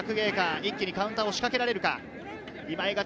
一気にカウンターを仕掛けられるか。